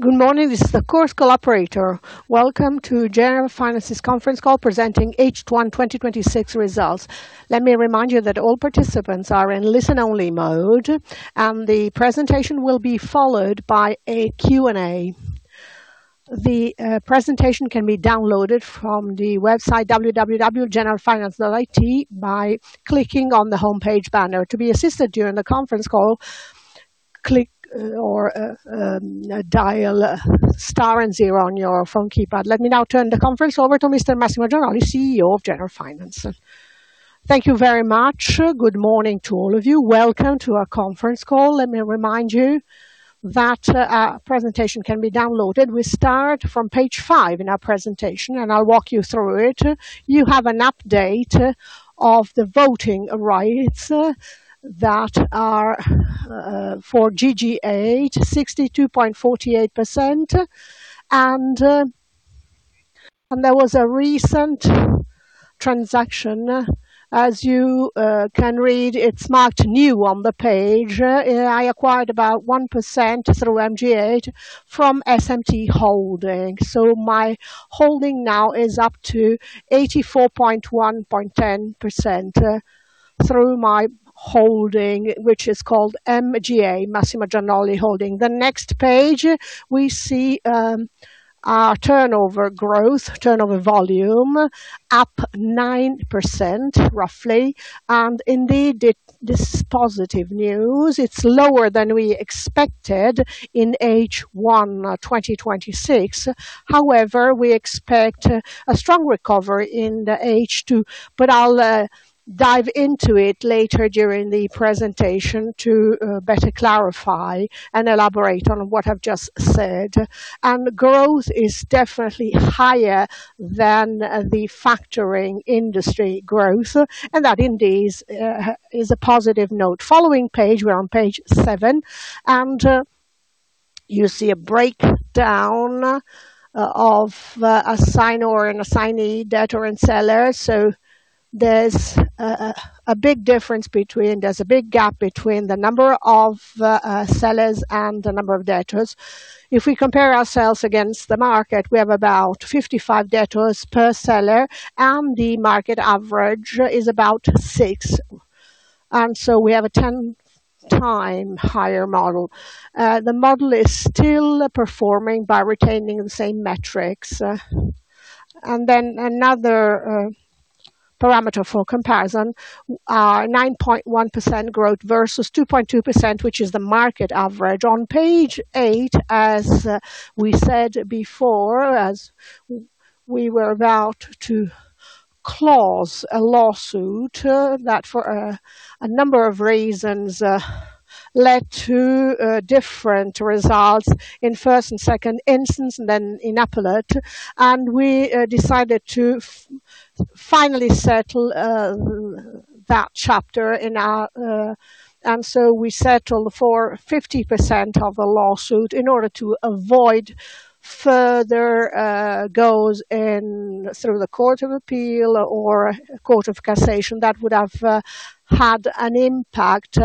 Good morning. This is the course collaborator. Welcome to Generalfinance's conference call presenting H1 2026 results. Let me remind you that all participants are in listen-only mode, and the presentation will be followed by a Q&A. The presentation can be downloaded from the website www.generalfinance.it by clicking on the homepage banner. To be assisted during the conference call, click or dial star and zero on your phone keypad. Let me now turn the conference over to Mr. Massimo Gianolli, CEO of Generalfinance. Thank you very much. Good morning to all of you. Welcome to our conference call. Let me remind you that our presentation can be downloaded. We start from page five in our presentation, and I will walk you through it. You have an update of the voting rights that are for GGA, 62.48%, and there was a recent transaction. As you can read, it is marked new on the page. I acquired about 1% through MGA from SMT Holding. My holding now is up to 84.11% through my holding, which is called MGA, Massimo Gianolli Holding. The next page, we see our turnover growth, turnover volume up 9% roughly, and indeed this is positive news. It is lower than we expected in H1 2026. However, we expect a strong recovery in the H2. I will dive into it later during the presentation to better clarify and elaborate on what I have just said. Growth is definitely higher than the factoring industry growth, and that indeed is a positive note. Following page, we are on page seven, and you see a breakdown of assignor and assignee, debtor and seller. There is a big gap between the number of sellers and the number of debtors. If we compare ourselves against the market, we have about 55 debtors per seller, and the market average is about six. We have a 10x higher model. The model is still performing by retaining the same metrics. Then another parameter for comparison, our 9.1% growth versus 2.2%, which is the market average. On page eight, as we said before, as we were about to close a lawsuit that for a number of reasons led to different results in first and second instance, and then in appellate, we decided to finally settle that chapter in our We settled for 50% of the lawsuit in order to avoid further goes in through the Court of Appeal or Court of Cassation that would have had an impact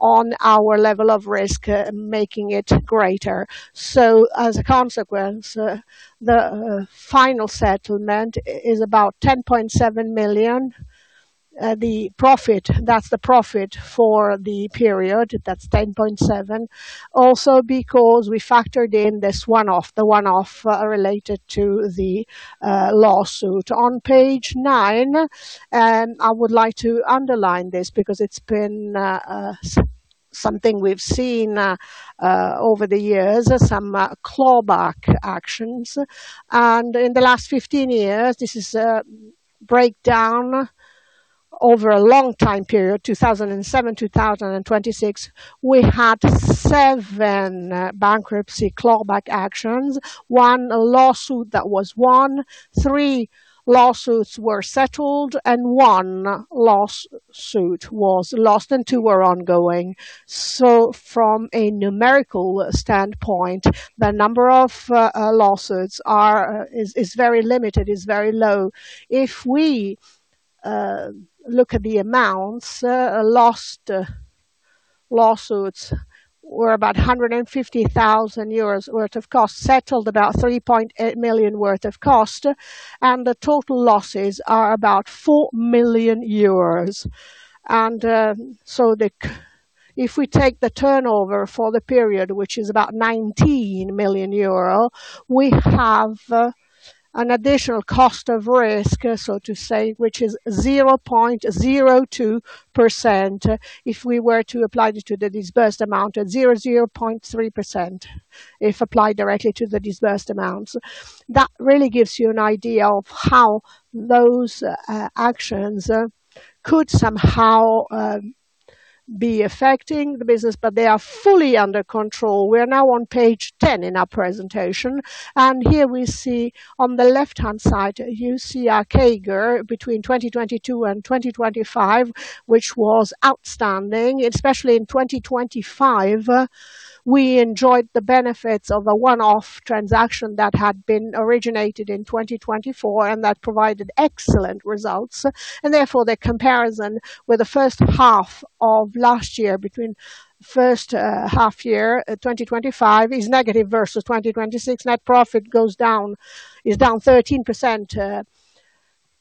on our level of risk, making it greater. As a consequence, the final settlement is about 10.7 million. The profit, that is the profit for the period, that is 10.7 million, also because we factored in this one-off, the one-off related to the lawsuit. On page nine, I would like to underline this because it has been something we have seen over the years, some clawback actions. In the last 15 years, this is a breakdown over a long time period, 2007-2026, we had seven bankruptcy clawback actions, one lawsuit that was won, three lawsuits were settled, one lawsuit was lost, and two were ongoing. From a numerical standpoint, the number of lawsuits is very limited, is very low. If we look at the amounts, lost lawsuits were about 150,000 euros worth of cost, settled about 3.8 million worth of cost, and the total losses are about EUR 4 million. If we take the turnover for the period, which is about 19 million euro, we have an additional cost of risk, so to say, which is 0.02%. If we were to apply it to the disbursed amount at 0.3%, if applied directly to the disbursed amounts. Really gives you an idea of how those actions could somehow be affecting the business, but they are fully under control. We are now on page 10 in our presentation, and here we see on the left-hand side, you see our CAGR between 2022 and 2025, which was outstanding. Especially in 2025, we enjoyed the benefits of a one-off transaction that had been originated in 2024, and that provided excellent results. Therefore, the comparison with the first half of last year, between first half year 2025 is negative versus 2026. Net profit is down 13%.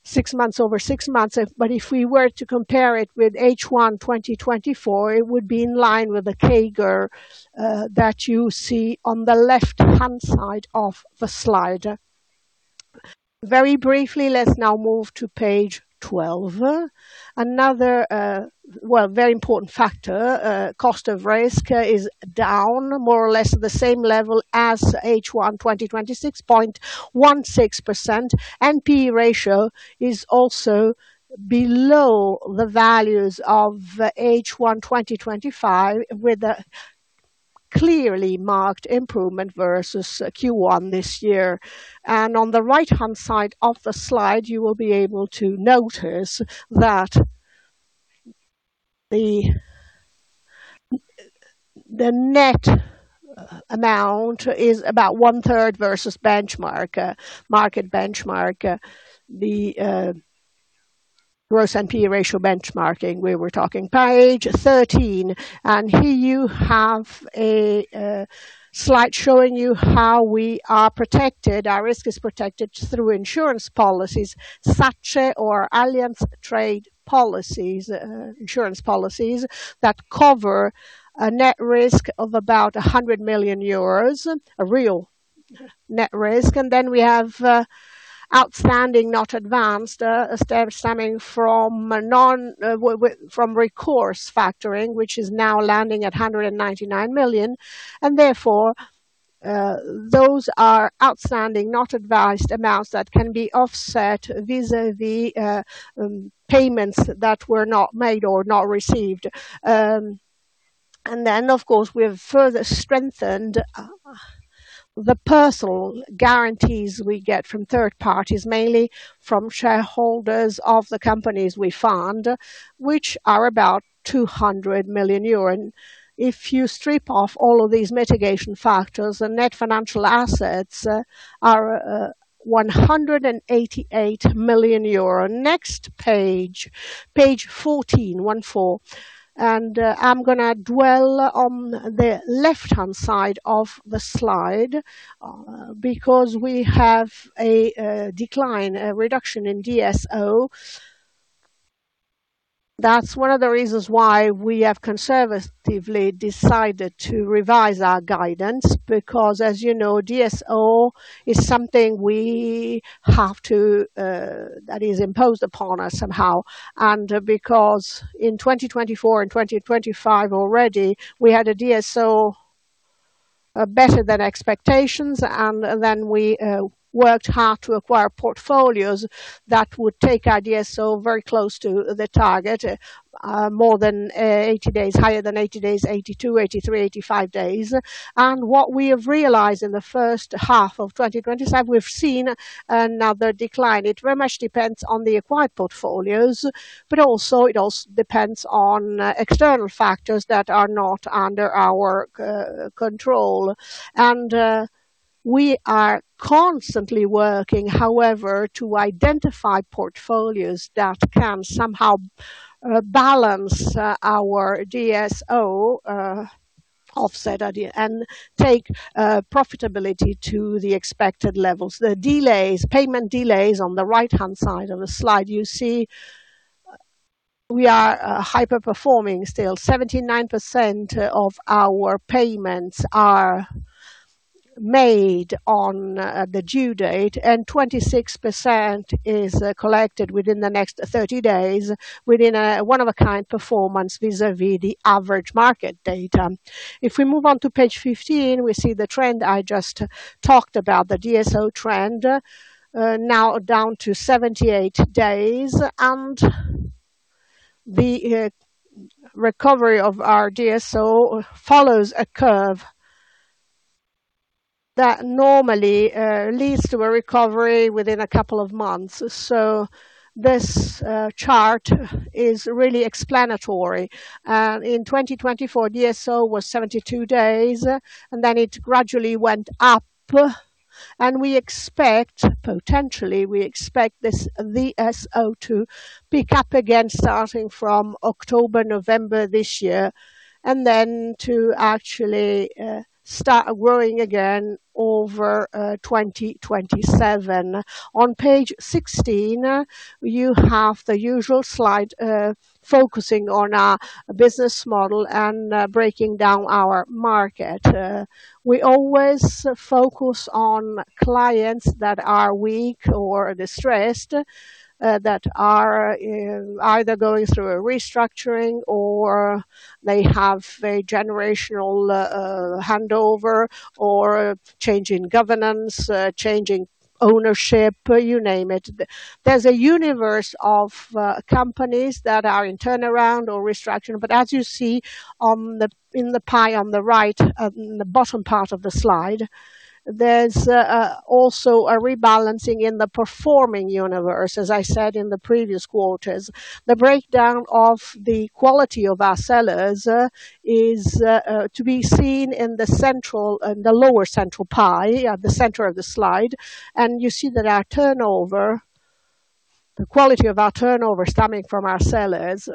Six months over six months. If we were to compare it with H1 2024, it would be in line with the CAGR that you see on the left-hand side of the slide. Very briefly, let's now move to page 12. Another very important factor, cost of risk is down more or less at the same level as H1 2026, 0.16%. NPE ratio is also below the values of H1 2025, with a clearly marked improvement versus Q1 this year. On the right-hand side of the slide, you will be able to notice that the net amount is about 1/3 versus market benchmark, the gross NPE ratio benchmarking we were talking. Page 13, and here you have a slide showing you how we are protected. Our risk is protected through insurance policies, SACE or Allianz Trade insurance policies that cover a net risk of about 100 million euros, a real net risk. Then we have outstanding not advanced stemming from recourse factoring, which is now landing at 199 million. Therefore, those are outstanding not advanced amounts that can be offset vis-a-vis payments that were not made or not received. Then, of course, we have further strengthened the personal guarantees we get from third parties, mainly from shareholders of the companies we fund, which are about 200 million euro. If you strip off all of these mitigation factors, the net financial assets are 188 million euro. Next page 14. One four. I'm going to dwell on the left-hand side of the slide because we have a decline, a reduction in DSO. That's one of the reasons why we have conservatively decided to revise our guidance because, as you know, DSO is something that is imposed upon us somehow. Because in 2024 and 2025 already, we had a DSO better than expectations, and then we worked hard to acquire portfolios that would take our DSO very close to the target, more than 80 days, higher than 80 days, 82, 83, 85 days. What we have realized in the first half of 2025, we've seen another decline. It very much depends on the acquired portfolios, but also it also depends on external factors that are not under our control. We are constantly working, however, to identify portfolios that can somehow balance our DSO, offset it, and take profitability to the expected levels. The payment delays on the right-hand side of the slide, you see we are hyper-performing still. 79% of our payments are made on the due date, and 26% is collected within the next 30 days within a one-of-a-kind performance vis-a-vis the average market data. If we move on to page 15, we see the trend I just talked about, the DSO trend, now down to 78 days, and the recovery of our DSO follows a curve that normally leads to a recovery within a couple of months. This chart is really explanatory. In 2024, DSO was 72 days, and then it gradually went up, and potentially we expect this DSO to pick up again starting from October, November this year, and then to actually start growing again over 2027. On page 16, you have the usual slide focusing on our business model and breaking down our market. We always focus on clients that are weak or distressed, that are either going through a restructuring, or they have a generational handover, or change in governance, change in ownership, you name it. There's a universe of companies that are in turnaround or restructuring, but as you see in the pie on the right, in the bottom part of the slide, there's also a rebalancing in the performing universe, as I said in the previous quarters. The breakdown of the quality of our sellers is to be seen in the lower central pie at the center of the slide, and you see that the quality of our turnover stemming from our sellers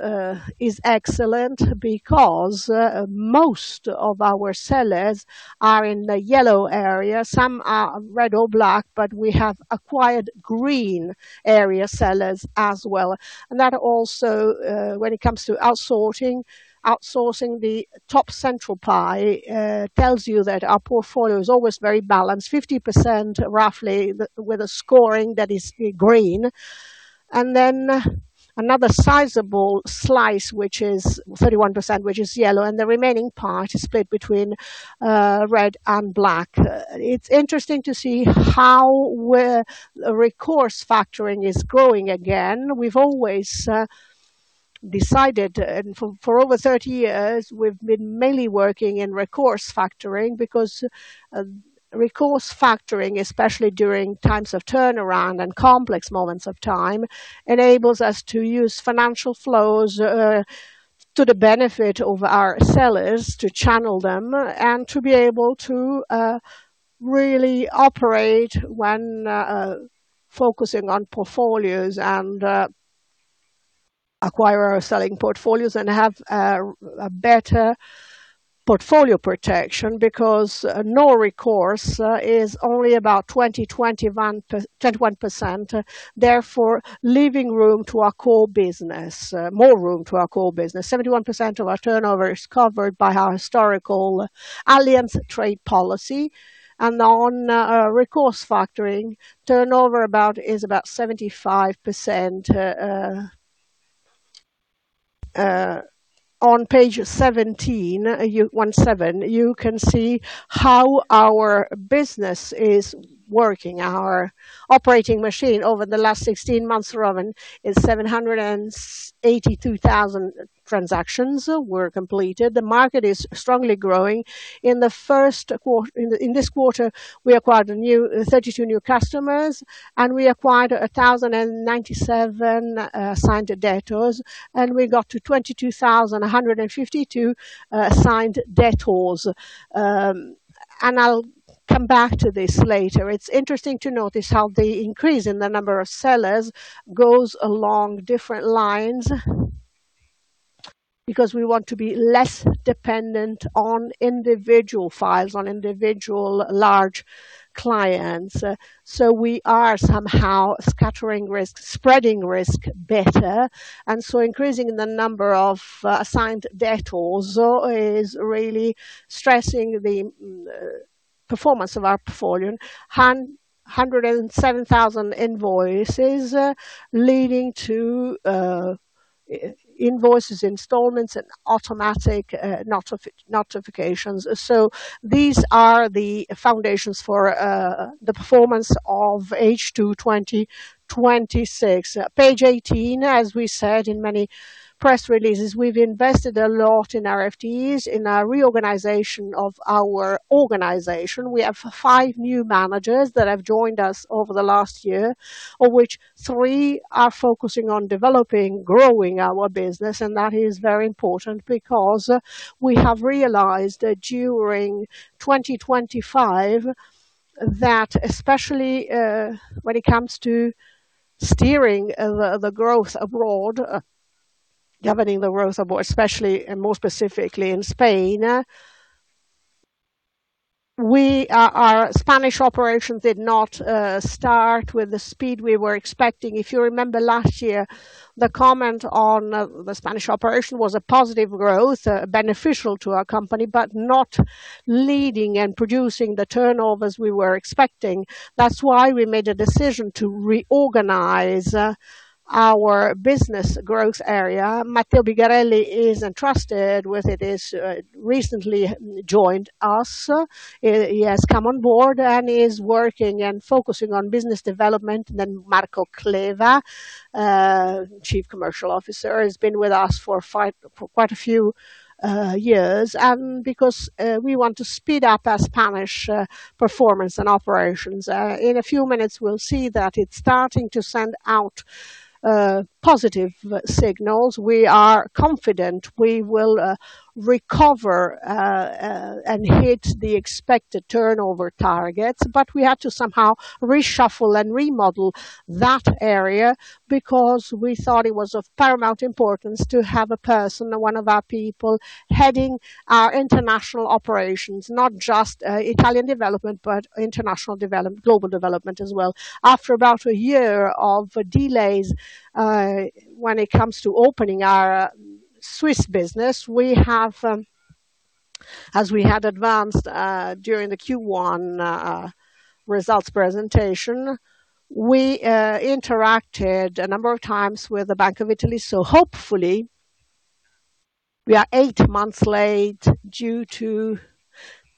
is excellent because most of our sellers are in the yellow area. Some are red or black, but we have acquired green area sellers as well. And that also when it comes to outsourcing, the top central pie tells you that our portfolio is always very balanced, 50% roughly with a scoring that is green. Then another sizable slice, which is 31%, which is yellow, and the remaining part is split between red and black. It's interesting to see how recourse factoring is growing again. We've always decided, and for over 30 years, we've been mainly working in recourse factoring because recourse factoring, especially during times of turnaround and complex moments of time, enables us to use financial flows to the benefit of our sellers, to channel them, and to be able to really operate when focusing on portfolios and acquire our selling portfolios and have a better portfolio protection because no recourse is only about 21%, therefore leaving more room to our core business. 71% of our turnover is covered by our historical Allianz Trade policy, and on recourse factoring, turnover is about 75%. On page 17, you can see how our business is working. Our operating machine over the last 16 months running is 782,000 transactions were completed. The market is strongly growing. In this quarter, we acquired 32 new customers, and we acquired 1,097 assigned debtors, and we got to 22,152 assigned debtors. I'll come back to this later. It's interesting to notice how the increase in the number of sellers goes along different lines because we want to be less dependent on individual files, on individual large clients. So we are somehow scattering risk, spreading risk better, and so increasing the number of assigned debtors is really stressing the performance of our portfolio. 107,000 invoices leading to invoices installments and automatic notifications. These are the foundations for the performance of H2 2026. Page 18, as we said in many press releases, we've invested a lot in FTEs, in a reorganization of our organization. We have five new managers that have joined us over the last year, of which three are focusing on developing, growing our business, and that is very important because we have realized that during 2025 that especially when it comes to steering the growth abroad, governing the growth abroad, especially and more specifically in Spain, our Spanish operation did not start with the speed we were expecting. If you remember last year, the comment on the Spanish operation was a positive growth, beneficial to our company, but not leading and producing the turnovers we were expecting. That's why we made a decision to reorganize our business growth area. Matteo Bigarelli is entrusted with it. He recently joined us. He has come on board and is working and focusing on business development. Marco Cleva, Chief Commercial Officer, has been with us for quite a few years, because we want to speed up our Spanish performance and operations. In a few minutes, we'll see that it's starting to send out positive signals. We are confident we will recover and hit the expected turnover targets, but we had to somehow reshuffle and remodel that area because we thought it was of paramount importance to have a person, one of our people heading our international operations, not just Italian development, but global development as well. After about a year of delays when it comes to opening our Swiss business, as we had advanced during the Q1 results presentation, we interacted a number of times with the Bank of Italy. Hopefully, we are eight months late due to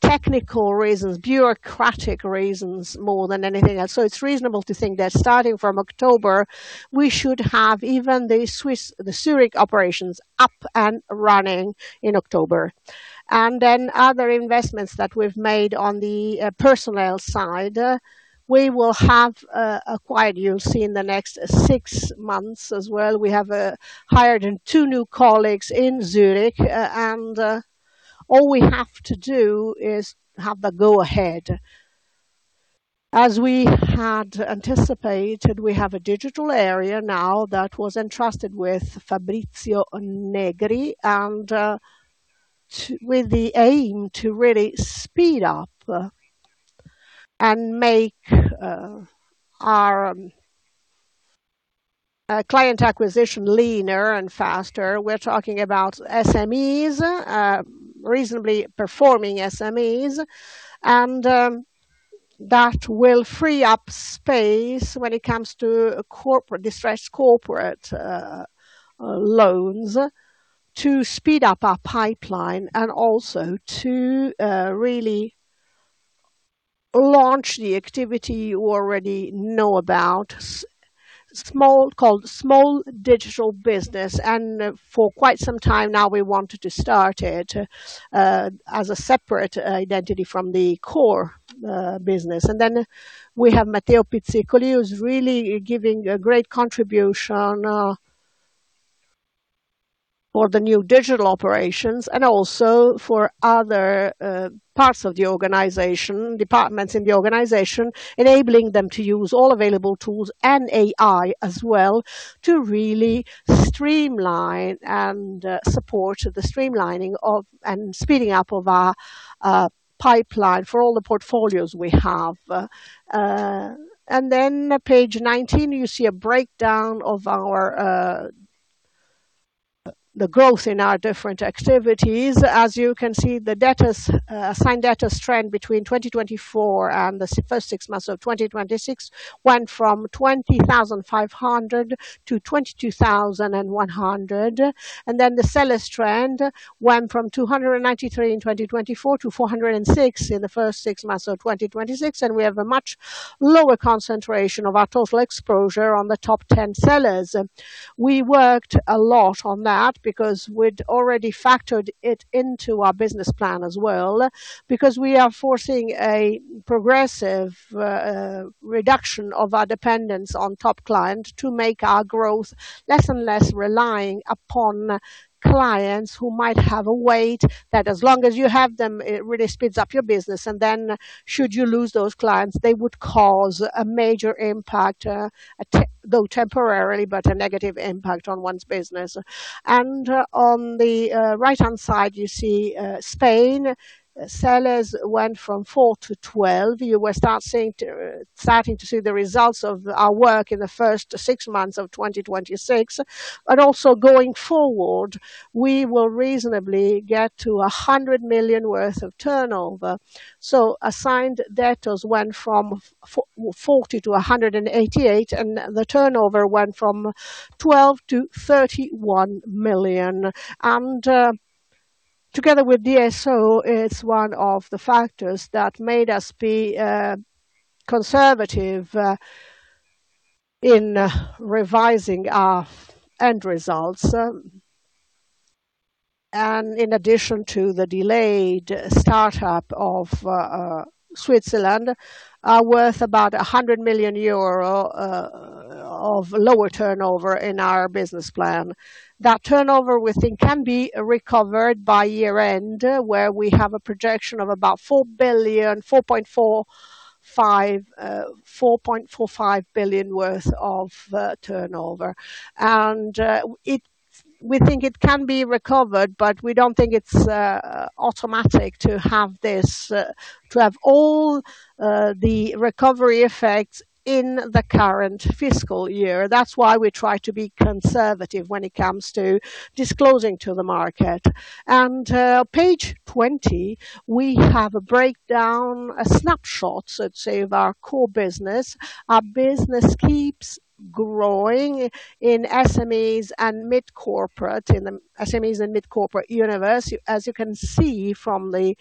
technical reasons, bureaucratic reasons more than anything else. It's reasonable to think that starting from October, we should have even the Zurich operations up and running in October. Other investments that we've made on the personnel side, we will have acquired, you'll see in the next six months as well. We have hired two new colleagues in Zurich. All we have to do is have the go ahead. As we had anticipated, we have a digital area now that was entrusted with Fabrizio Negri, with the aim to really speed up and make our client acquisition leaner and faster. We're talking about SMEs, reasonably performing SMEs, that will free up space when it comes to distressed corporate loans to speed up our pipeline and also to really launch the activity you already know about, called small digital business. For quite some time now, we wanted to start it as a separate identity from the core business. We have Matteo Pizzicoli, who's really giving a great contribution for the new digital operations and also for other parts of the organization, departments in the organization, enabling them to use all available tools and AI as well to really streamline and support the streamlining of, and speeding up of our pipeline for all the portfolios we have. Page 19, you see a breakdown of the growth in our different activities. As you can see, the assigned debtors trend between 2024 and the first six months of 2026 went from 20,500-22,100. The sellers trend went from 293 in 2024 to 406 in the first six months of 2026. We have a much lower concentration of our total exposure on the top 10 sellers. We worked a lot on that because we had already factored it into our business plan as well, because we are foreseeing a progressive reduction of our dependence on top client to make our growth less and less relying upon clients who might have a weight that as long as you have them, it really speeds up your business. Should you lose those clients, they would cause a major impact, though temporarily, but a negative impact on one's business. On the right-hand side, you see Spain sellers went from 4-12. You were starting to see the results of our work in the first six months of 2026. Also going forward, we will reasonably get to 100 million worth of turnover. Assigned debtors went from 40 to 188. The turnover went from 12 million-31 million. Together with DSO, it's one of the factors that made us be conservative in revising our end results. In addition to the delayed startup of Switzerland, worth about 100 million euro of lower turnover in our business plan. That turnover, we think, can be recovered by year-end, where we have a projection of about 4.45 billion worth of turnover. We think it can be recovered, but we don't think it's automatic to have all the recovery effects in the current fiscal year. That's why we try to be conservative when it comes to disclosing to the market. Page 20, we have a breakdown, a snapshot, let's say, of our core business. Our business keeps growing in SMEs and mid-corporate, in the SMEs and mid-corporate universe. As you can see from the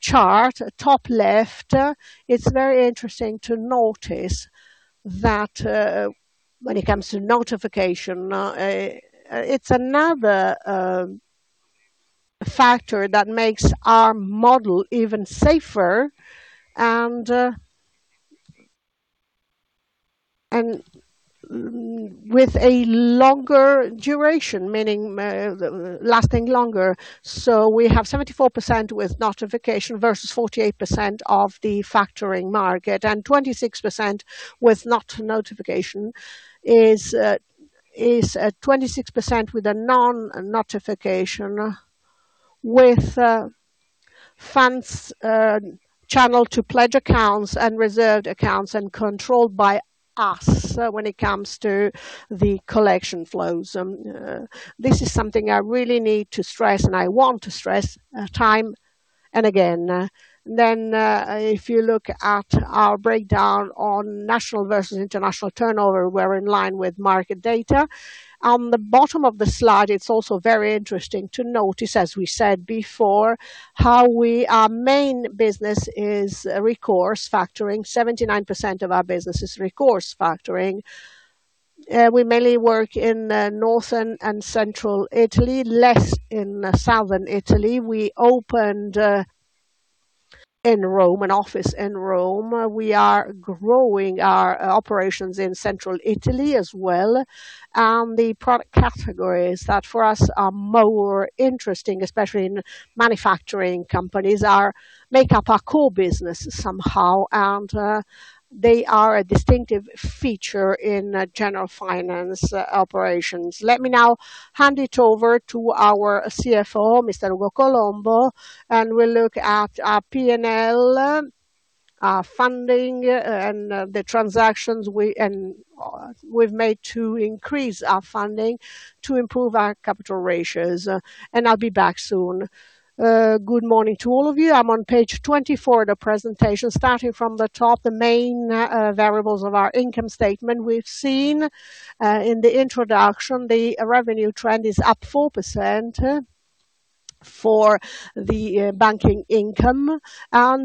chart, top left, it's very interesting to notice that when it comes to notification, it's another factor that makes our model even safer, and with a longer duration, meaning lasting longer. We have 74% with notification versus 48% of the factoring market, and 26% with a non-notification, with funds channeled to pledge accounts and reserved accounts and controlled by us when it comes to the collection flows. This is something I really need to stress, and I want to stress time and again. If you look at our breakdown on national versus international turnover, we're in line with market data. On the bottom of the slide, it's also very interesting to notice, as we said before, how our main business is recourse factoring. 79% of our business is recourse factoring. We mainly work in Northern and Central Italy, less in Southern Italy. We opened in Rome, an office in Rome. We are growing our operations in central Italy as well. The product categories that for us are more interesting, especially in manufacturing companies, make up our core business somehow, and they are a distinctive feature in Generalfinance operations. Let me now hand it over to our CFO, Mr. Ugo Colombo, and we'll look at our P&L, our funding, and the transactions we've made to increase our funding to improve our capital ratios. I'll be back soon. Good morning to all of you. I'm on page 24 of the presentation. Starting from the top, the main variables of our income statement. We've seen in the introduction, the revenue trend is up 4% for the banking income,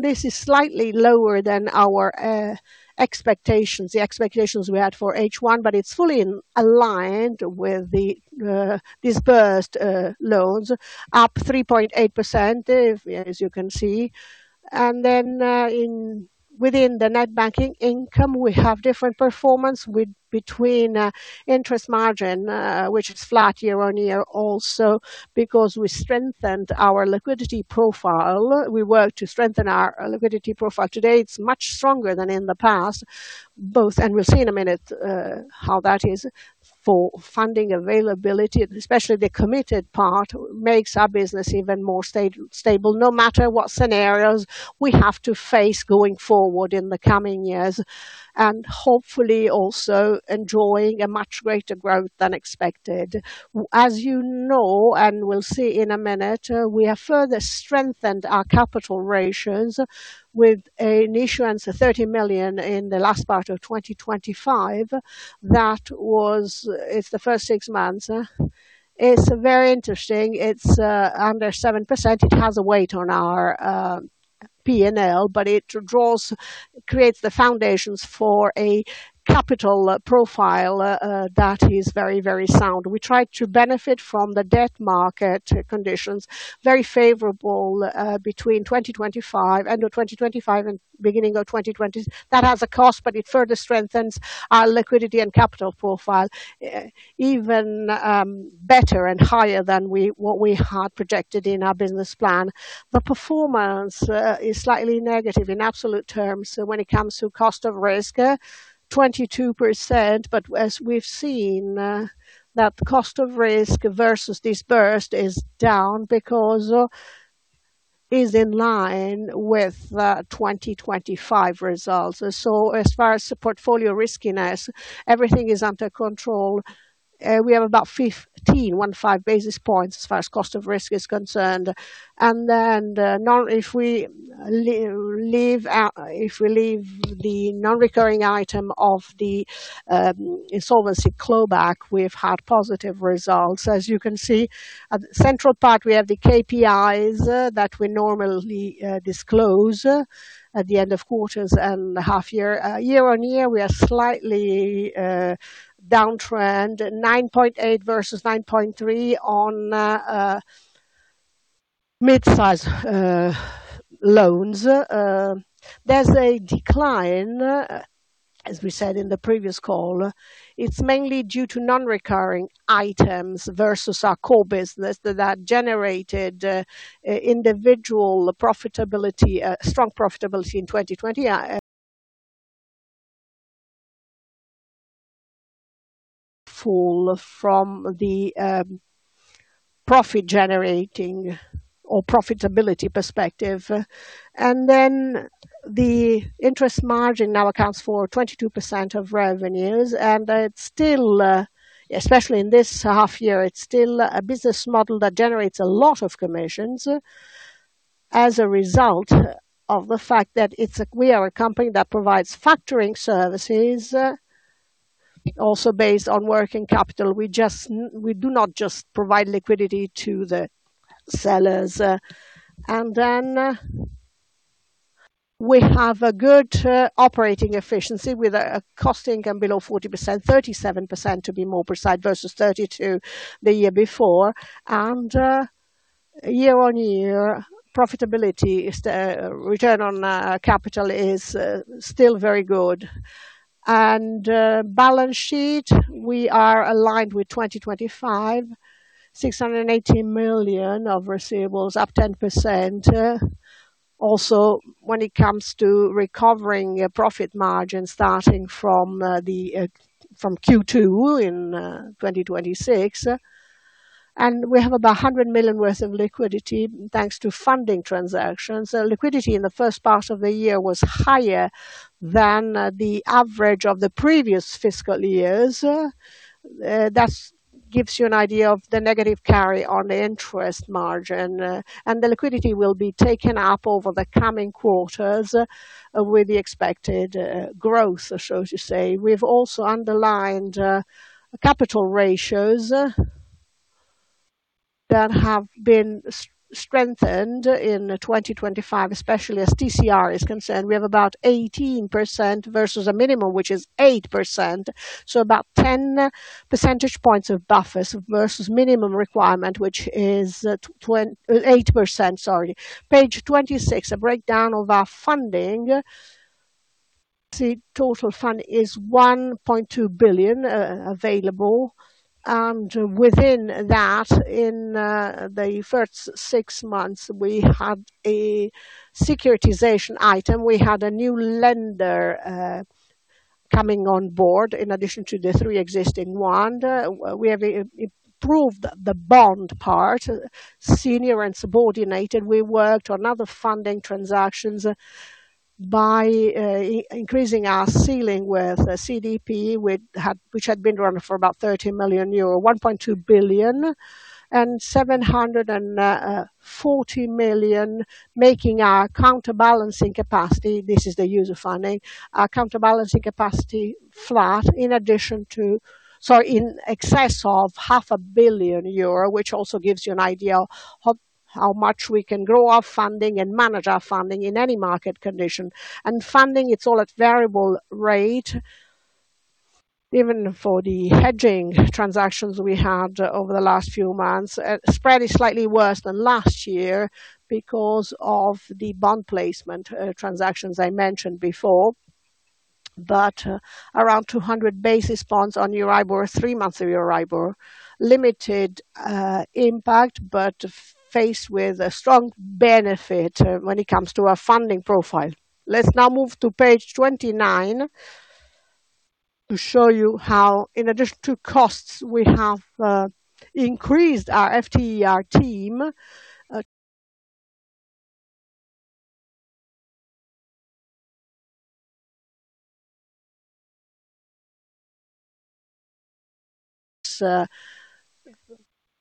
this is slightly lower than our expectations, the expectations we had for H1, it's fully aligned with the disbursed loans, up 3.8%, as you can see. Within the net banking income, we have different performance between interest margin, which is flat year-over-year also because we strengthened our liquidity profile. We worked to strengthen our liquidity profile. Today, it's much stronger than in the past, both, we'll see in a minute how that is for funding availability, especially the committed part makes our business even more stable, no matter what scenarios we have to face going forward in the coming years, hopefully also enjoying a much greater growth than expected. As you know, we'll see in a minute, we have further strengthened our capital ratios with an issuance of 30 million in the last part of 2025. It's the first six months. It's very interesting. It's under 7%. It has a weight on our P&L, it creates the foundations for a capital profile that is very sound. We tried to benefit from the debt market conditions, very favorable between end of 2025 and beginning of 2026. That has a cost, it further strengthens our liquidity and capital profile even better and higher than what we had projected in our business plan. The performance is slightly negative in absolute terms when it comes to cost of risk, 22%, as we've seen, that cost of risk versus dispersed is down because is in line with 2025 results. As far as portfolio riskiness, everything is under control. We have about 15 basis points as far as cost of risk is concerned. If we leave the non-recurring item of the insolvency clawback, we've had positive results. As you can see, at the central part, we have the KPIs that we normally disclose at the end of quarters and half year. Year-over-year, we are slightly downtrend, 9.8 versus 9.3 on mid-size loans. There's a decline, as we said in the previous call. It's mainly due to non-recurring items versus our core business that generated individual profitability, strong profitability in 2020. Full from the profit generating or profitability perspective. The interest margin now accounts for 22% of revenues, it's still, especially in this half year, it's still a business model that generates a lot of commissions as a result of the fact that we are a company that provides factoring services, also based on working capital. We do not just provide liquidity to the sellers. We have a good operating efficiency with a costing below 40%, 37% to be more precise, versus 32 the year before. Year-over-year, profitability, return on capital is still very good. Balance sheet, we are aligned with 2025, 680 million of receivables, up 10%. Also, when it comes to recovering profit margin, starting from Q2 in 2026. We have about 100 million worth of liquidity, thanks to funding transactions. Liquidity in the first part of the year was higher than the average of the previous fiscal years. That gives you an idea of the negative carry on the interest margin. The liquidity will be taken up over the coming quarters with the expected growth, so to say. We've also underlined capital ratios that have been strengthened in 2025, especially as TCR is concerned. We have about 18% versus a minimum, which is 8%, so about 10 percentage points of buffers versus minimum requirement, which is 8%, sorry. Page 26, a breakdown of our funding. The total fund is 1.2 billion available, and within that, in the first six months, we had a securitization item. We had a new lender coming on board in addition to the three existing ones. We have improved the bond part, senior and subordinated. We worked on other funding transactions by increasing our ceiling with CDP, which had been around for about 30 million euro, 1.2 billion, and 740 million, making our counterbalancing capacity, this is the user funding, our counterbalancing capacity flat in addition to, so in excess of half a billion EUR, which also gives you an idea of how much we can grow our funding and manage our funding in any market condition. Funding, it's all at variable rate, even for the hedging transactions we had over the last few months. Spread is slightly worse than last year because of the bond placement transactions I mentioned before, but around 200 basis points on EURIBOR, three months of EURIBOR. Limited impact, but faced with a strong benefit when it comes to our funding profile. Let's now move to page 29 to show you how, in addition to costs, we have increased our FTE, our team.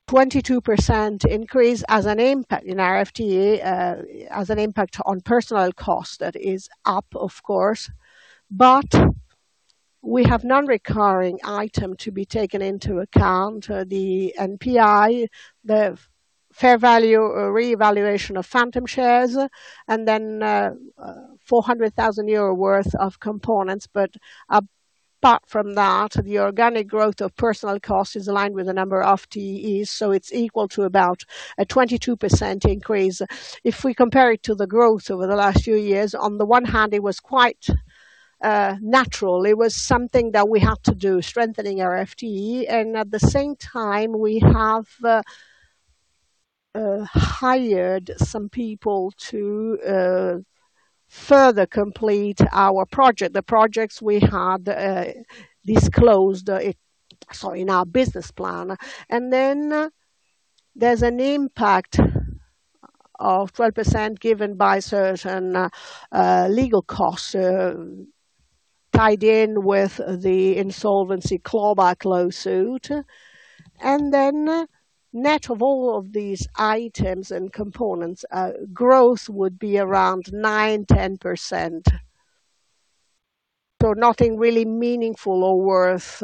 22% increase has an impact in our FTE, has an impact on personal cost. That is up, of course. But we have non-recurring item to be taken into account, the NPE, the fair value, revaluation of phantom shares, and then 400,000 euro worth of components. But apart from that, the organic growth of personal cost is aligned with the number of FTEs, so it's equal to about a 22% increase. If we compare it to the growth over the last few years, on the one hand, it was quite natural. It was something that we had to do, strengthening our FTE, and at the same time, we have hired some people to further complete our project, the projects we had disclosed in our business plan. There's an impact of 12% given by certain legal costs tied in with the insolvency clawback lawsuit. Then net of all of these items and components, growth would be around 9%-10%. So nothing really meaningful or worth.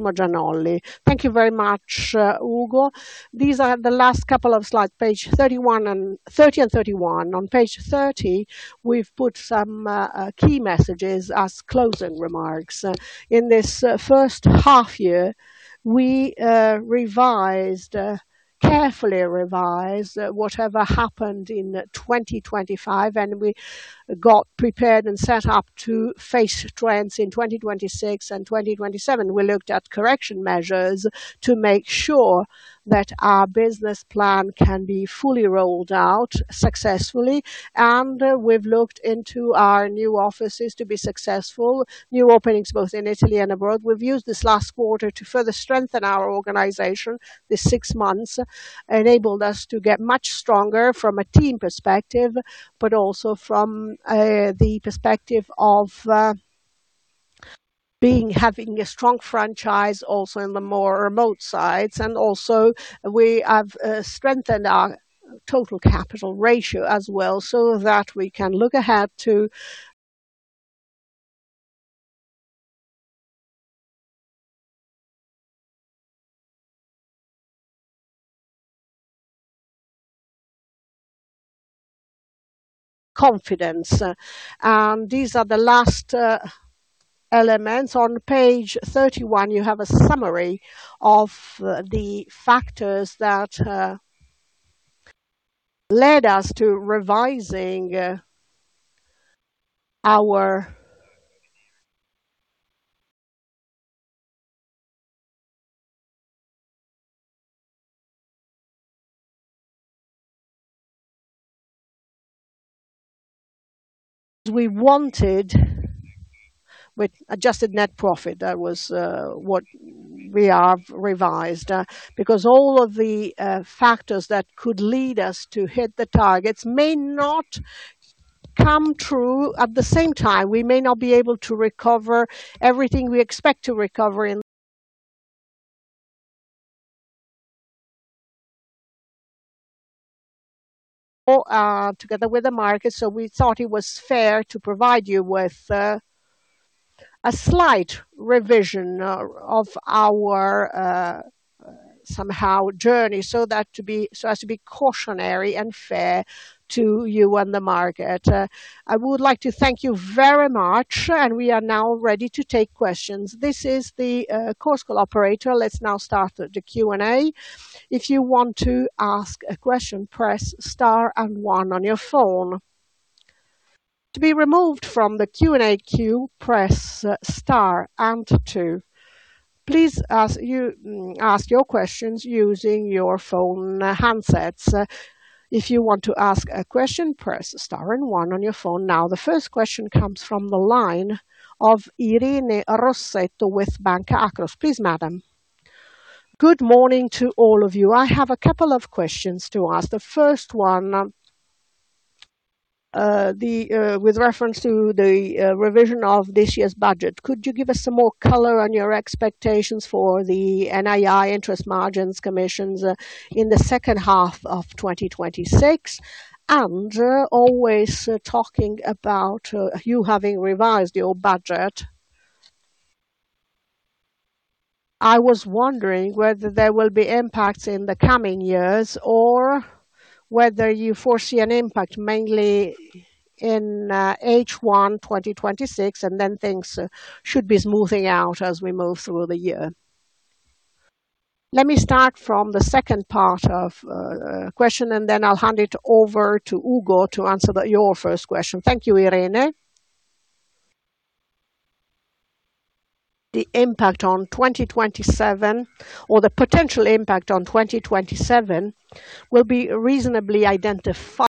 Massimo Gianolli, thank you very much, Ugo. These are the last couple of slides, page 30 and 31. On page 30, we've put some key messages as closing remarks. In this first half year, we revised, carefully revised whatever happened in 2025, and we got prepared and set up to face trends in 2026 and 2027. We looked at correction measures to make sure that our business plan can be fully rolled out successfully, and we've looked into our new offices to be successful, new openings both in Italy and abroad. We've used this last quarter to further strengthen our organization. This six months enabled us to get much stronger from a team perspective, but also from the perspective of having a strong franchise also in the more remote sites. We have strengthened our total capital ratio as well so that we can look ahead to confidence. These are the last elements. On page 31, you have a summary of the factors that led us to revising our, we wanted with adjusted net profit, that was what we have revised, because all of the factors that could lead us to hit the targets may not come true at the same time. We may not be able to recover everything we expect to recover in Together with the market. We thought it was fair to provide you with a slight revision of our journey, so as to be cautionary and fair to you and the market. I would like to thank you very much. We are now ready to take questions. This is the conference call operator. Let's now start the Q&A. If you want to ask a question, press star and one on your phone. To be removed from the Q&A queue, press star and two. Please ask your questions using your phone handsets. If you want to ask a question, press star and one on your phone. The first question comes from the line of Irene Rossetto with Banca Akros. Please, madam. Good morning to all of you. I have a couple of questions to ask. The first one, with reference to the revision of this year's budget, could you give us some more color on your expectations for the NII interest margins commissions in the second half of 2026? Always talking about you having revised your budget, I was wondering whether there will be impacts in the coming years, or whether you foresee an impact mainly in H1 2026. Things should be smoothing out as we move through the year. Let me start from the second part of question. I'll hand it over to Ugo to answer your first question. Thank you, Irene. The impact on 2027, or the potential impact on 2027, will be reasonably identified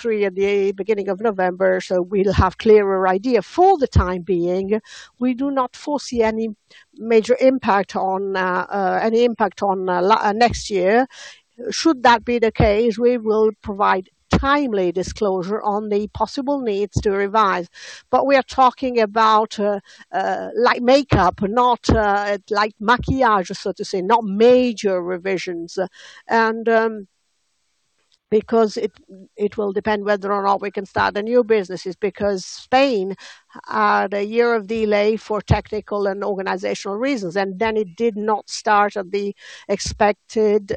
Q3 at the beginning of November. We'll have clearer idea. For the time being, we do not foresee any impact on next year. Should that be the case, we will provide timely disclosure on the possible needs to revise. We are talking about light makeup, not light maquillage, so to say, not major revisions. Because it will depend whether or not we can start the new businesses, because Spain had a year of delay for technical and organizational reasons. It did not start at the expected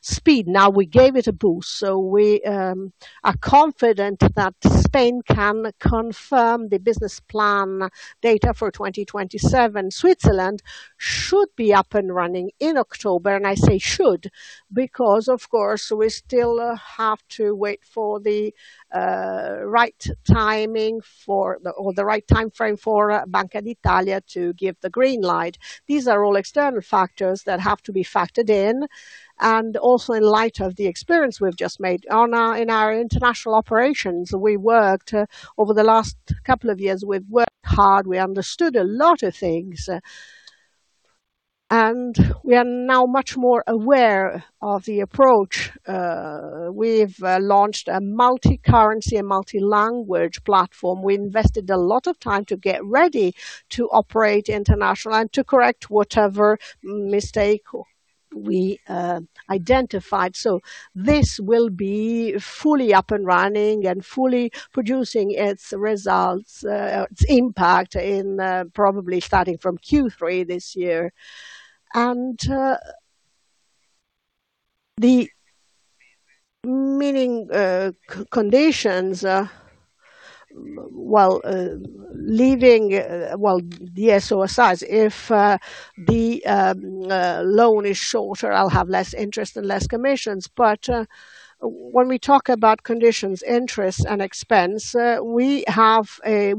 speed. Now we gave it a boost. We are confident that Spain can confirm the business plan data for 2027. Switzerland should be up and running in October. I say should, because of course, we still have to wait for the right timing, or the right timeframe for Banca d'Italia to give the green light. These are all external factors that have to be factored in light of the experience we've just made in our international operations. Over the last couple of years, we've worked hard, we understood a lot of things. We are now much more aware of the approach. We've launched a multi-currency and multi-language platform. We invested a lot of time to get ready to operate international and to correct whatever mistake we identified. This will be fully up and running and fully producing its results, its impact, probably starting from Q3 this year. The meaning conditions, well, leaving the SO aside, if the loan is shorter, I'll have less interest and less commissions. But when we talk about conditions, interest, and expense, we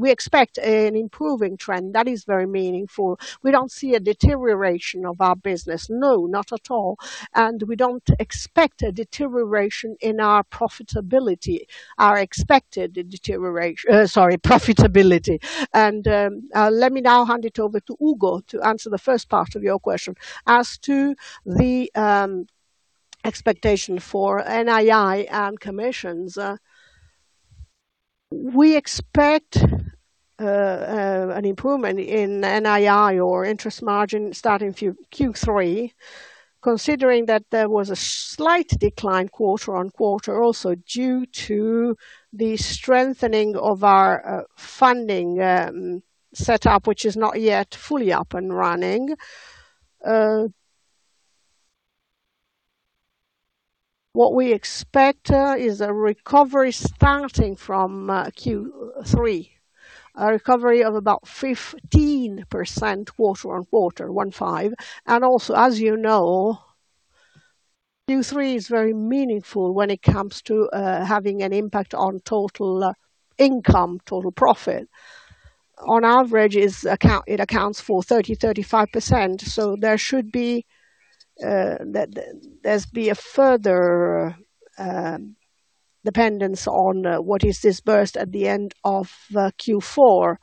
expect an improving trend that is very meaningful. We don't see a deterioration of our business. No, not at all. We don't expect a deterioration in our profitability, our expected deterioration, sorry, profitability. Let me now hand it over to Ugo to answer the first part of your question. As to the expectation for NII and commissions, we expect an improvement in NII or interest margin starting Q3, considering that there was a slight decline quarter-on-quarter, also due to the strengthening of our funding set up, which is not yet fully up and running. What we expect is a recovery starting from Q3, a recovery of about 15% quarter-on-quarter, one five. Also, as you know, Q3 is very meaningful when it comes to having an impact on total income, total profit. On average, it accounts for 30%, 35%, so there should be a further dependence on what is disbursed at the end of Q4.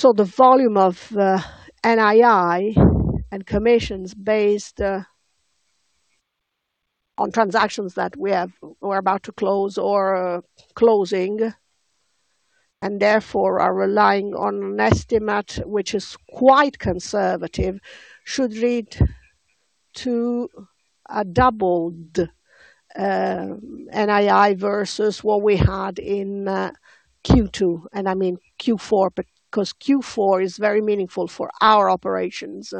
The volume of NII and commissions based on transactions that we're about to close or are closing, and therefore are relying on an estimate, which is quite conservative, should lead to a doubled NII versus what we had in Q2, and I mean Q4, because Q4 is very meaningful for our operations.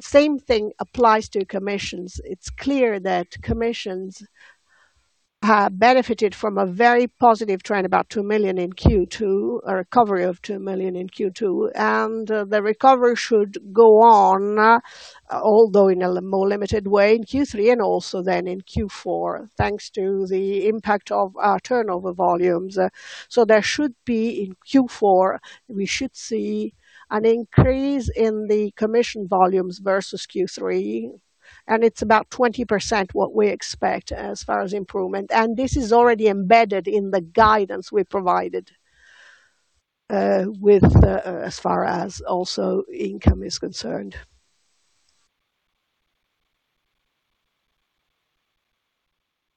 Same thing applies to commissions. It's clear that commissions have benefited from a very positive trend, about 2 million in Q2, a recovery of 2 million in Q2, and the recovery should go on, although in a more limited way in Q3 and also then in Q4, thanks to the impact of our turnover volumes. There should be in Q4, we should see an increase in the commission volumes versus Q3, and it's about 20% what we expect as far as improvement. This is already embedded in the guidance we provided as far as also income is concerned.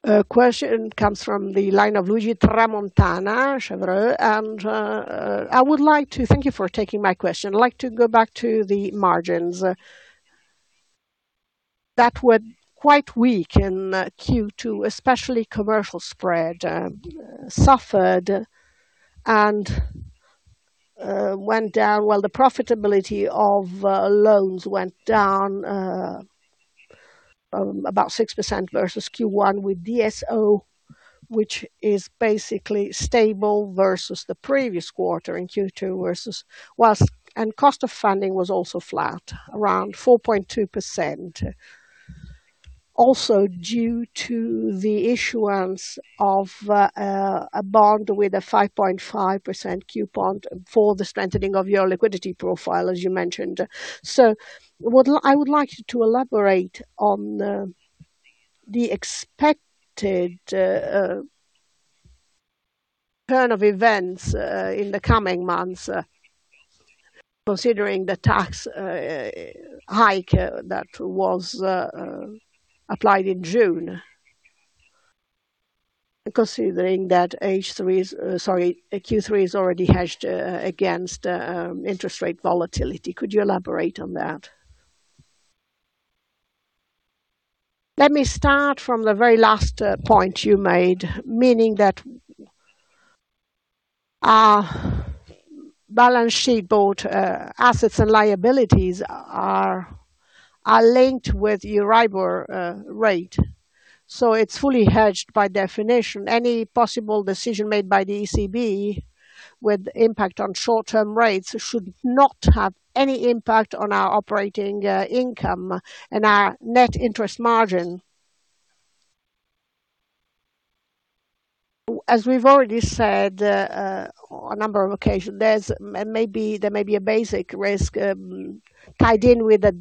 A question comes from the line of Luigi Tramontana, Kepler Cheuvreux. Thank you for taking my question. I'd like to go back to the margins that were quite weak in Q2, especially commercial spread, suffered and went down, while the profitability of loans went down about 6% versus Q1 with DSO, which is basically stable versus the previous quarter in Q2 versus. Cost of funding was also flat, around 4.2%, also due to the issuance of a bond with a 5.5% coupon for the strengthening of your liquidity profile, as you mentioned. I would like you to elaborate on the expected turn of events in the coming months, considering the tax hike that was applied in June, and considering that Q3 is already hedged against interest rate volatility. Could you elaborate on that? Let me start from the very last point you made, meaning that our balance sheet, both assets and liabilities, are linked with EURIBOR rate. It's fully hedged by definition. Any possible decision made by the ECB with impact on short-term rates should not have any impact on our operating income and our net interest margin. As we've already said, a number of occasions, there may be a basic risk tied in with the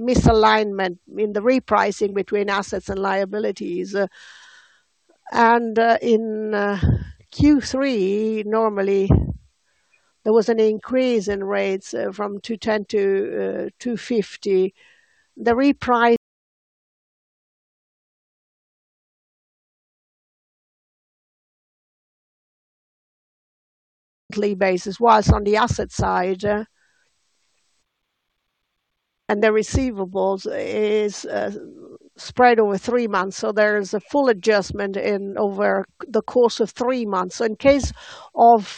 misalignment in the repricing between assets and liabilities. And in Q3, normally, there was an increase in rates from 210-250. The repricing basis, whilst on the asset side, and the receivables is spread over three months, so there is a full adjustment over the course of three months. In case of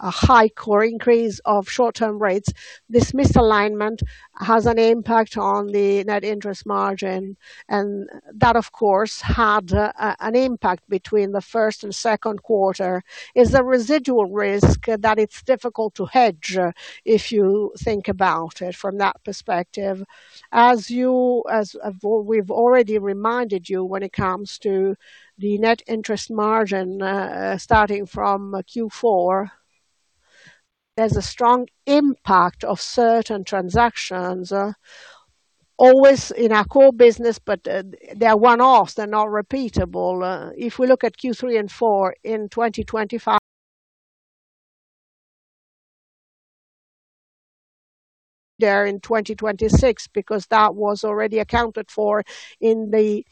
a hike or increase of short-term rates, this misalignment has an impact on the net interest margin, and that of course had an impact between the first and second quarter. It's a residual risk that it's difficult to hedge, if you think about it from that perspective. As we've already reminded you when it comes to the net interest margin, starting from Q4, there's a strong impact of certain transactions, always in our core business, but they're one-offs, they're not repeatable. If we look at Q3 and Q4 in 2025 there in 2026, because that was already accounted for in the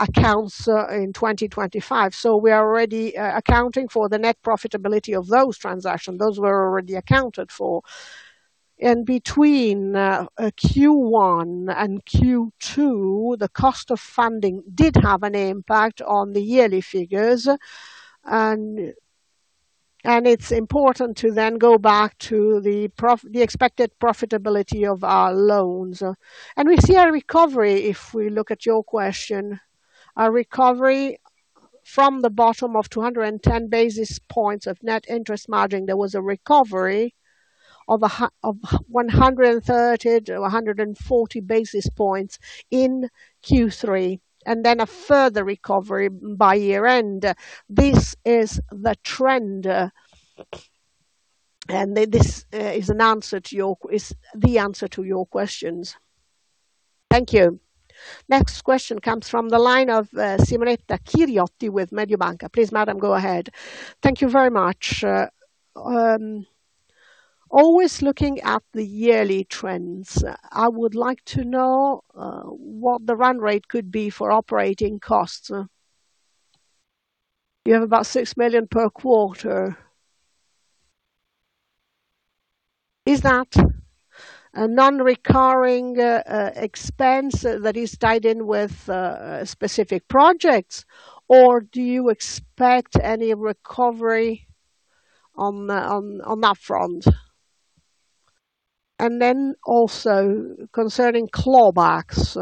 accounts in 2025. We are already accounting for the net profitability of those transactions. Those were already accounted for. In between Q1 and Q2, the cost of funding did have an impact on the yearly figures, and it's important to then go back to the expected profitability of our loans. We see a recovery, if we look at your question, a recovery from the bottom of 210 basis points of net interest margin. There was a recovery of 130 basis points to 140 basis points in Q3, and then a further recovery by year-end. This is the trend, and this is the answer to your questions. Thank you. Next question comes from the line of Simona Chiriotti with Mediobanca. Please, madam, go ahead. Thank you very much. Always looking at the yearly trends, I would like to know what the run rate could be for operating costs. You have about 6 million per quarter. Is that a non-recurring expense that is tied in with specific projects, or do you expect any recovery on that front? Then also concerning clawbacks.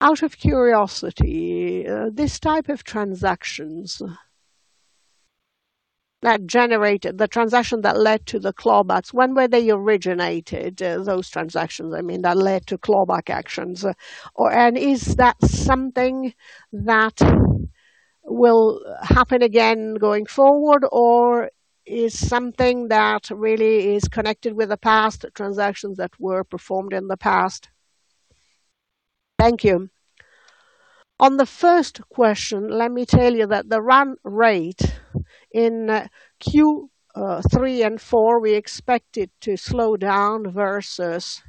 Out of curiosity, this type of transactions that generated the transaction that led to the clawbacks, when were they originated, those transactions, I mean, that led to clawback actions? Is that something that will happen again going forward, or is something that really is connected with the past transactions that were performed in the past? Thank you. On the first question, let me tell you that the run rate in Q3 and four, we expect it to slow down versus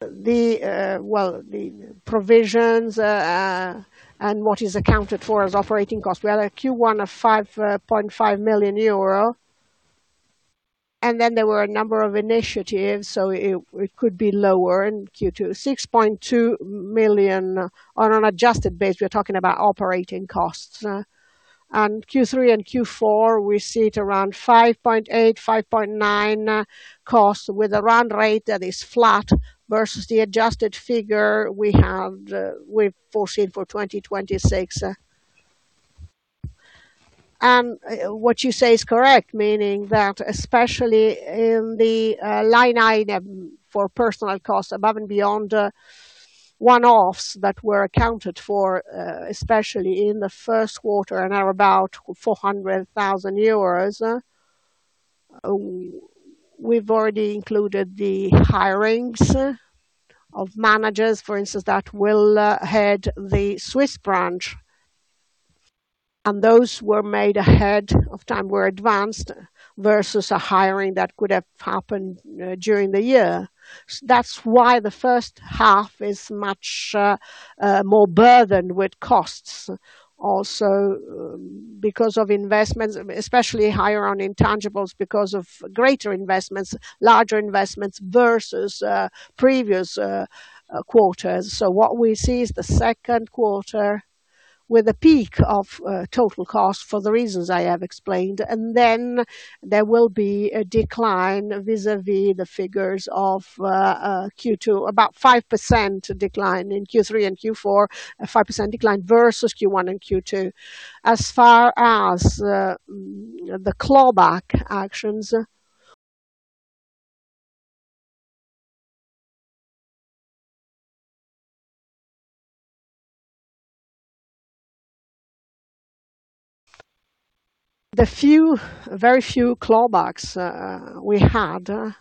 the provisions, and what is accounted for as operating costs. We had a Q1 of 5.5 million euro, and then there were a number of initiatives, so it could be lower in Q2, 6.2 million. On an adjusted base, we're talking about operating costs. Q3 and Q4, we see it around 5.8 million, 5.9 million costs with a run rate that is flat versus the adjusted figure we've foreseen for 2026. What you say is correct, meaning that especially in the line item for personal costs above and beyond one-offs that were accounted for, especially in the first quarter and are about 400,000 euros, we've already included the hirings of managers, for instance, that will head the Swiss branch, and those were made ahead of time, were advanced, versus a hiring that could have happened during the year. That's why the first half is much more burdened with costs because of investments, especially higher on intangibles because of greater investments, larger investments versus previous quarters. What we see is the second quarter with a peak of total cost for the reasons I have explained, then there will be a decline vis-à-vis the figures of Q2, about 5% decline in Q3 and Q4, a 5% decline versus Q1 and Q2. As far as the clawback actions, the very few clawbacks we had,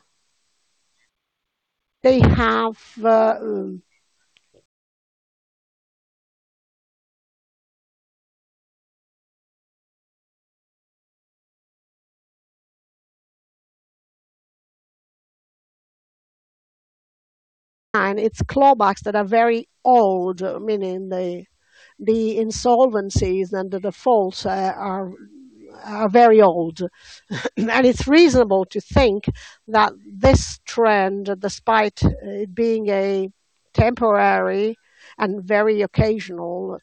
it's clawbacks that are very old, meaning the insolvencies and the defaults are very old. It's reasonable to think that this trend, despite being a temporary and very occasional,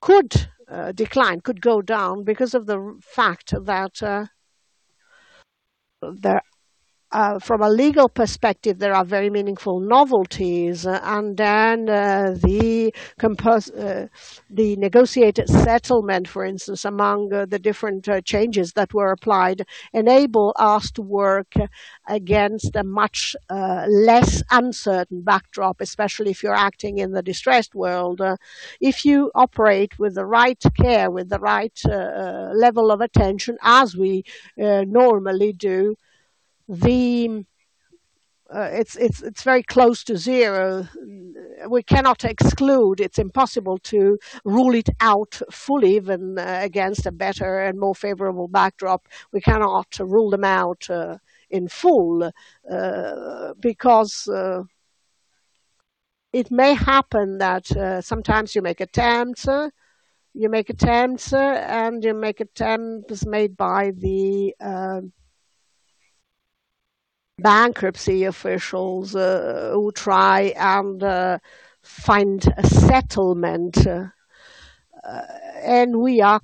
could decline, could go down because of the fact that from a legal perspective, there are very meaningful novelties, the negotiated settlement, for instance, among the different changes that were applied, enable us to work against a much less uncertain backdrop, especially if you're acting in the distressed world. If you operate with the right care, with the right level of attention as we normally do, it's very close to zero. We cannot exclude, it's impossible to rule it out fully even against a better and more favorable backdrop. We cannot rule them out in full, because it may happen that sometimes you make attempts, you make attempts made by the bankruptcy officials who try and find a settlement, and we're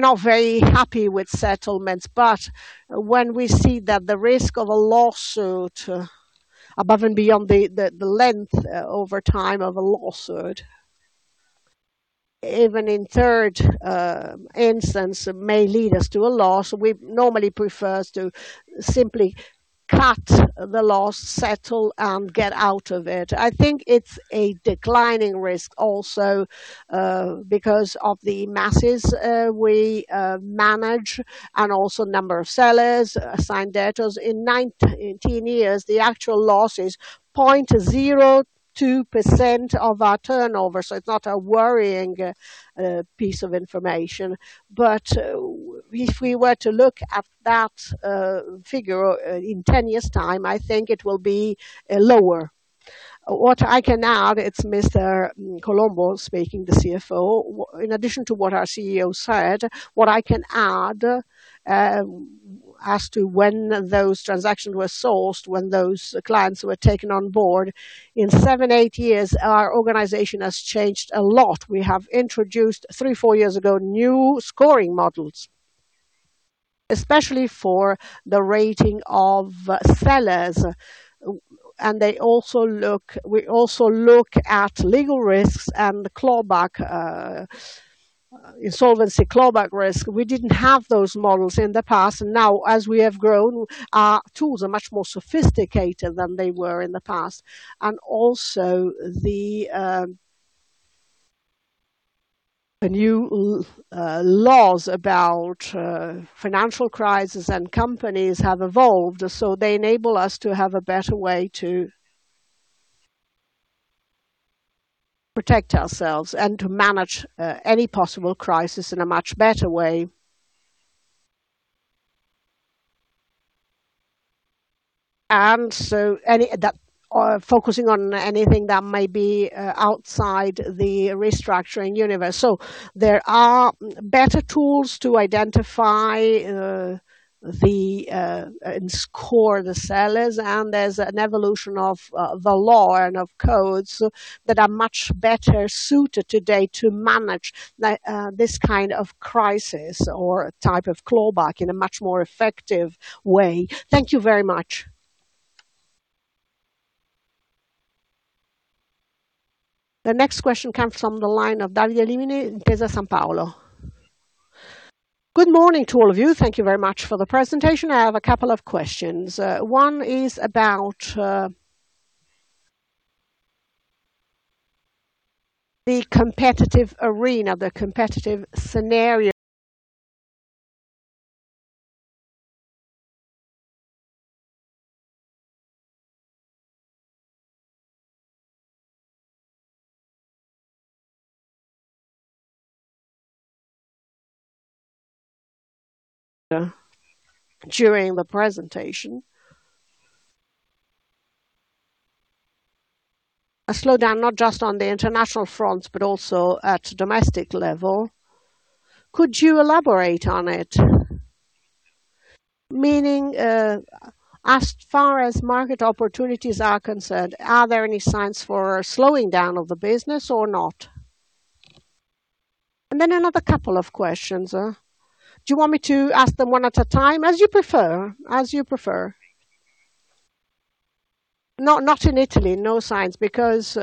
not very happy with settlements. When we see that the risk of a lawsuit above and beyond the length over time of a lawsuit, even in third instance, may lead us to a loss, we normally prefer to simply cut the loss, settle, and get out of it. I think it's a declining risk also because of the masses we manage and number of sellers, assigned debtors. In 19 years, the actual loss is 0.02% of our turnover, so it's not a worrying piece of information. If we were to look at that figure in 10 years' time, I think it will be lower. What I can add, it's Mr. Colombo speaking, the CFO. In addition to what our CEO said, what I can add as to when those transactions were sourced, when those clients were taken on board, in seven, eight years, our organization has changed a lot. We have introduced three, four years ago, new scoring models, especially for the rating of sellers. We also look at legal risks and insolvency clawback risk. We didn't have those models in the past. Now, as we have grown, our tools are much more sophisticated than they were in the past. The new laws about financial crisis and companies have evolved, so they enable us to have a better way to protect ourselves and to manage any possible crisis in a much better way. Focusing on anything that may be outside the restructuring universe. There are better tools to identify and score the sellers, and there's an evolution of the law and of codes that are much better suited today to manage this kind of crisis or type of clawback in a much more effective way. Thank you very much. The next question comes from the line of Davide Rimini, Intesa Sanpaolo. Good morning to all of you. Thank you very much for the presentation. I have a couple of questions. One is about the competitive arena, the competitive scenario during the presentation. A slowdown, not just on the international fronts, but also at domestic level. Could you elaborate on it? Meaning, as far as market opportunities are concerned, are there any signs for slowing down of the business or not? Another couple of questions. Do you want me to ask them one at a time? As you prefer. Not in Italy, no signs, because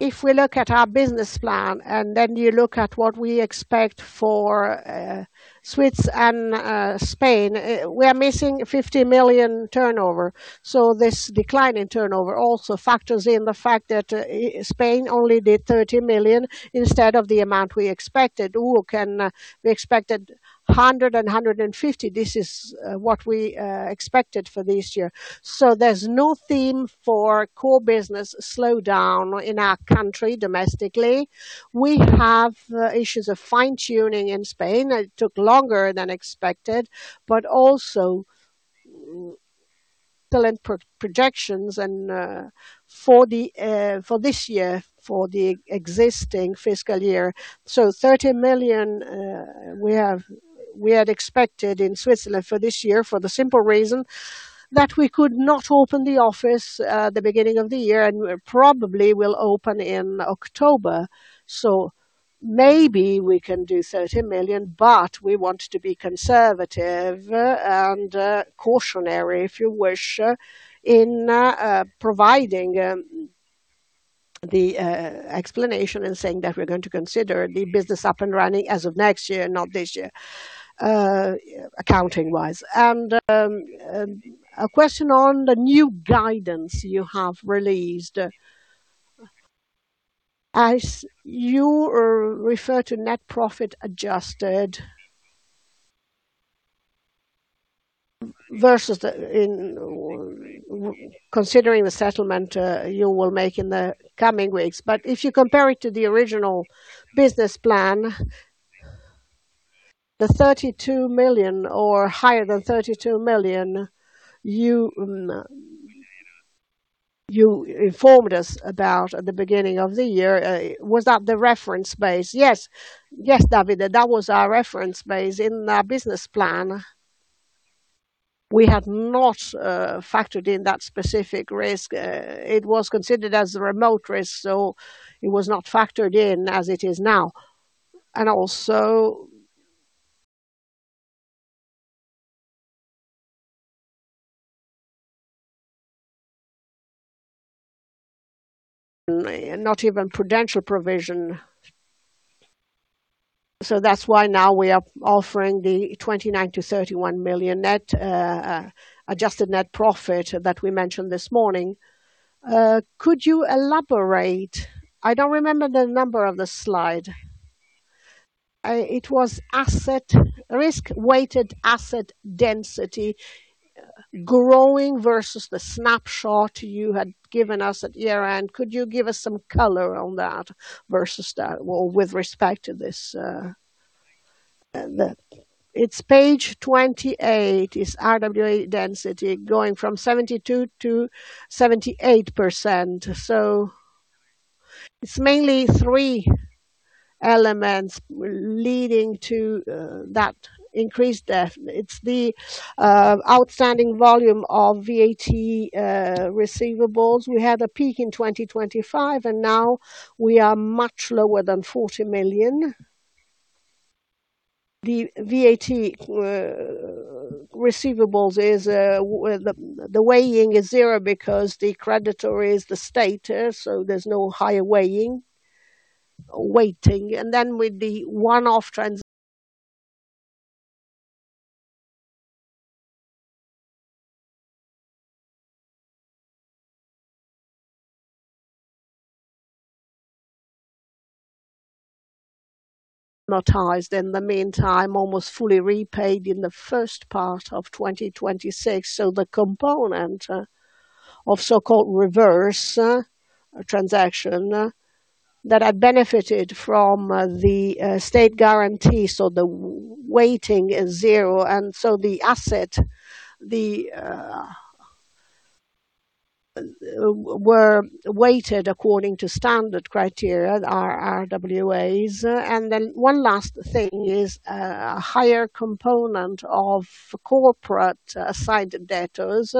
if we look at our business plan, then you look at what we expect for Switzerland and Spain, we are missing 50 million turnover. This decline in turnover also factors in the fact that Spain only did 30 million instead of the amount we expected. We expected 100 million and 150 million. This is what we expected for this year. There's no theme for core business slowdown in our country domestically. We have issues of fine-tuning in Spain. It took longer than expected, but also still in projections and for this year, for the existing fiscal year. 30 million we had expected in Switzerland for this year for the simple reason that we could not open the office at the beginning of the year, and we probably will open in October. Maybe we can do 30 million, but we want to be conservative and cautionary, if you wish, in providing the explanation and saying that we're going to consider the business up and running as of next year, not this year, accounting-wise. A question on the new guidance you have released. As you refer to net profit adjusted versus considering the settlement you will make in the coming weeks. If you compare it to the original business plan, the 32 million or higher than 32 million you informed us about at the beginning of the year, was that the reference base? Yes, Davide, that was our reference base. In our business plan, we had not factored in that specific risk. It was considered as a remote risk, it was not factored in as it is now. Not even prudential provision. That's why now we are offering the 29 million-31 million net adjusted net profit that we mentioned this morning. Could you elaborate? I don't remember the number of the slide. It was risk-weighted asset density growing versus the snapshot you had given us at year-end. Could you give us some color on that versus that, or with respect to this? It's page 28, is RWA density going from 72%-78%. It's mainly three elements leading to that increased debt. It's the outstanding volume of VAT receivables. We had a peak in 2025, and now we are much lower than 40 million. The VAT receivables, the weighting is zero because the creditor is the state. There's no higher weighting. With the one-off tranche amortized in the meantime, almost fully repaid in the first part of 2026. The component of so-called reverse transaction that had benefited from the state guarantee. The weighting is zero, the assets were weighted according to standard criteria, our RWAs. One last thing is a higher component of corporate side debtors.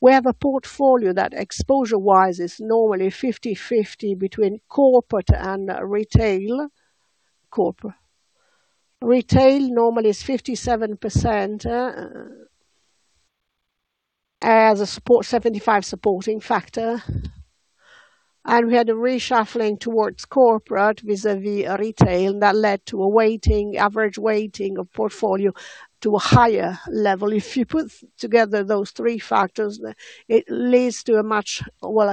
We have a portfolio that exposure-wise is normally 50/50 between corporate and retail. Retail normally is 57% as a 75% supporting factor. We had a reshuffling towards corporate vis-à-vis retail, that led to average weighting of portfolio to a higher level. If you put together those three factors, it leads to a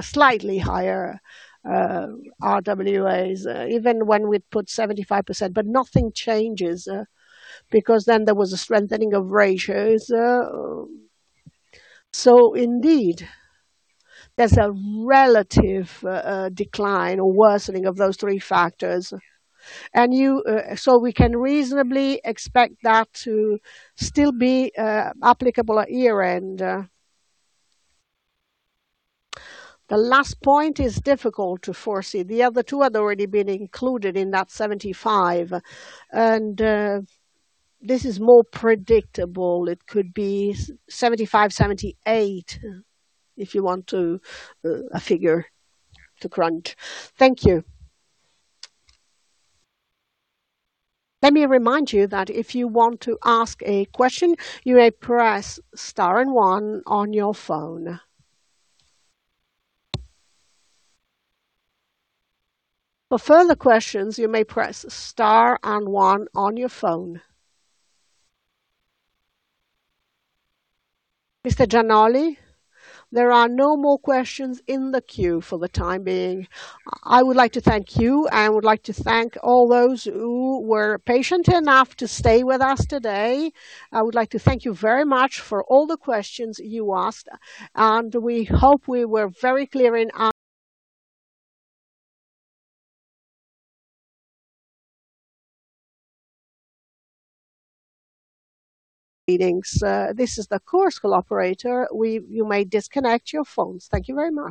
slightly higher RWAs, even when we put 75%. Nothing changes, because there was a strengthening of ratios. Indeed, there's a relative decline or worsening of those three factors. We can reasonably expect that to still be applicable at year-end. The last point is difficult to foresee. The other two had already been included in that 75%. This is more predictable. It could be 75%, 78%, if you want a figure to crunch. Thank you. Let me remind you that if you want to ask a question, you may press star one on your phone. For further questions, you may press star one on your phone. Mr. Gianolli, there are no more questions in the queue for the time being. I would like to thank you, and I would like to thank all those who were patient enough to stay with us today. I would like to thank you very much for all the questions you asked, and we hope we were very clear in meetings. This is the course collaborator. You may disconnect your phones. Thank you very much.